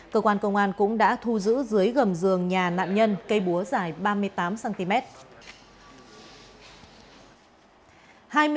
cơ quan công an cũng đã thu giữ dưới gầm giường nhà nạn nhân cây búa dài ba mươi tám cm